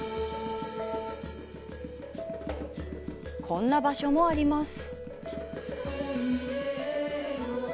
こんな場所もあります。